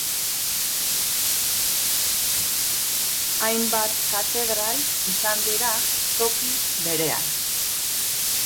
Hainbat katedral izan dira toki berean.